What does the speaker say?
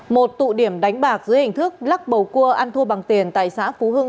một tụ điểm đánh bạc dưới hình thức lắc bầu cua ăn thua bằng tiền tại xã phú hưng